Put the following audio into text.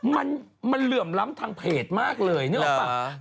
มันเหลื่อมล้ำทางเพจมากเลยนึกออกป่ะ